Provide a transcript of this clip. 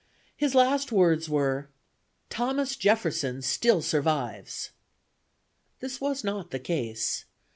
His last words were, "Thomas Jefferson still survives!" This was not the case.